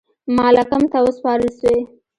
مالکم ته وسپارل سوې.